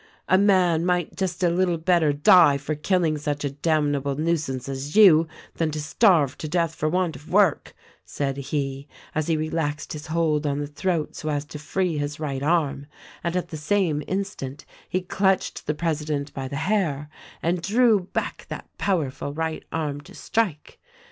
" 'A man might just a little better die for killing such a damnable nuisance as you, than to starve to death for want of work,' said he as he relaxed his hold on the throat so as to free his right arm, and at the same instant he clutched the president by the hair and drew back that powerful right arm to strike.